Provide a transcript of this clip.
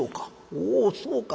「おうそうか。